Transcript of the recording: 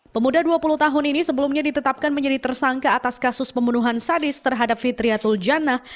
pemuda dua puluh tahun ini sebelumnya ditetapkan menjadi tersangka atas kasus pembunuhan sadis terhadap fitriyatul jannah